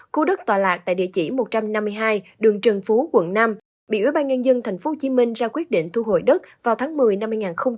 khu đất tòa lạc tại địa chỉ một trăm năm mươi hai đường trần phú quận năm bị ủy ban nhân dân tp hcm ra quyết định thu hồi đất vào tháng một mươi năm hai nghìn hai mươi ba